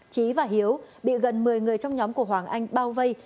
trí và hiếu bị gần một mươi người trong nhóm của hoàng anh bao vây